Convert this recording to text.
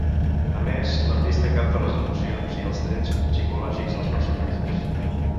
A més, l'artista capta les emocions i els trets psicològics dels personatges.